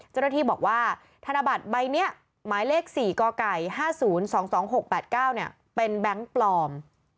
เจ้าหน้าที่บอกว่าธนบัตรใบนี้หมายเลข๔กไก่๕๐๒๒๖๘๙เป็นแบงค์ปลอม